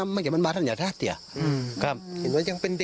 ไม่เคยครับไม่เคยครับ